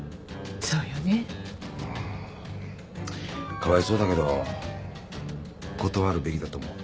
かわいそうだけど断るべきだと思う。